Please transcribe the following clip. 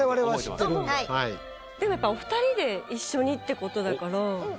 でもやっぱお二人で一緒にって事だから。